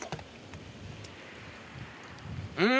うん！